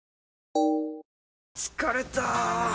疲れた！